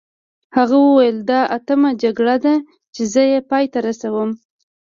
هغه وویل دا اتمه جګړه ده چې زه یې پای ته رسوم.